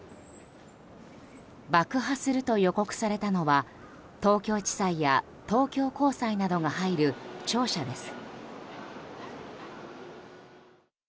爆破すると予告されたのは東京地裁や東京高裁などが入る庁舎です。